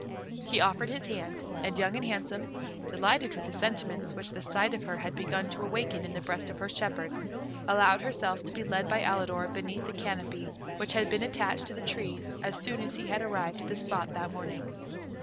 He offered his hand, and Young and Handsome, delighted with the sentiments which the sight of her had begun to awaken in the breast of her shepherd, allowed herself to be led by Alidor beneath the canopy which had been attached to the trees as soon as he had arrived at the spot that morning.